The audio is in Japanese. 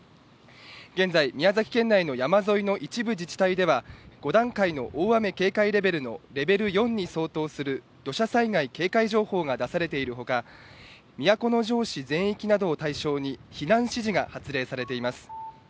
現在宮崎県内の山沿いの一部自治体では５段階の大雨警戒レベルのレベル４に相当する土砂災害警戒情報が出されているほか、都城市全域などを対象に避難指示が発令されています。